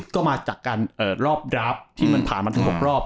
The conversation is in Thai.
ก็มาจากการรอบดราฟที่มันผ่านมาถึง๖รอบ